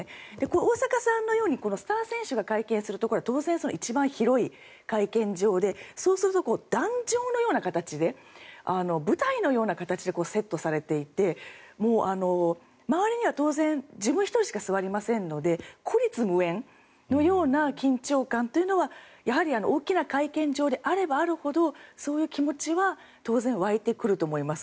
大坂さんのようにスター選手が会見するところは当然、一番広い会見場でそうすると壇上のような形で舞台のような形でセットされていて周りには当然自分１人しか座りませんので孤立無援のような緊張感というのはやはり大きな会見場であればあるほどそういう気持ちは当然湧いてくると思います。